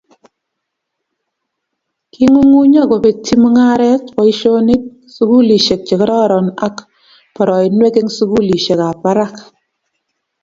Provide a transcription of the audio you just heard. Kingungunyo kobetyi mungaret, boisionik, sukulisiek chekororon ak poroinwek eng sukulisiekap barak